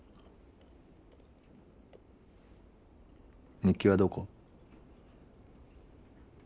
日記はどこ？